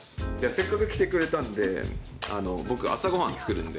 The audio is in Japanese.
せっかく来てくれたんで僕朝ごはん作るんで。